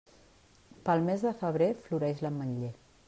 Pel mes de febrer floreix l'ametller.